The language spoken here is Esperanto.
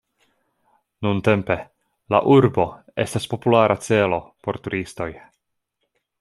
Nuntempe, la urbo estas populara celo por turistoj.